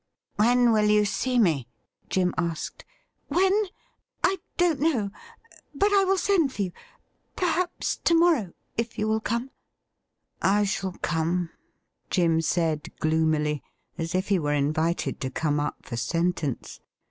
' When will you see me ?' Jim asked. ' When .'' I don't know, but I will send for you — ^per haps to morrow, if you will come.' ' I shall come,' Jim said gloomily, as if he were invited to come up for sentence.